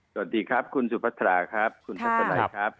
สวัสดีครับคุณสุภาษาครับคุณศัตรูไลน์ครับ